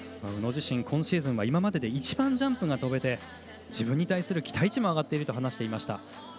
宇野自身、今シーズンは今までで一番ジャンプが跳べて自分に対する期待値も上がっていると話していました。